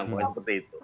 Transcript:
mungkin seperti itu